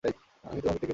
আমিই তোমাকে ডেকেছি।